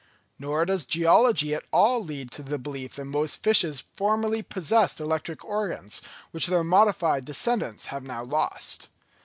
Nor does geology at all lead to the belief that most fishes formerly possessed electric organs, which their modified descendants have now lost.